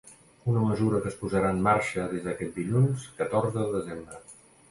Una mesura que es posarà en marxa des d’aquest dilluns catorze de setembre.